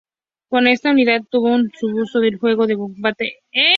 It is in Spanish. Con esta unidad tuvo su bautismo de fuego en el combate de San Lorenzo.